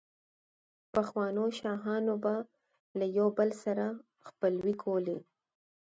پخوانو شاهانو به له يو بل سره خپلوۍ کولې،